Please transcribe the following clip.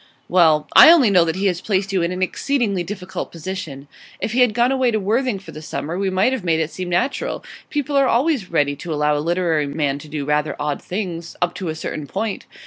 'Well, I only know that he has placed you in an exceedingly difficult position. If he had gone away to Worthing for the summer we might have made it seem natural; people are always ready to allow literary men to do rather odd things up to a certain point.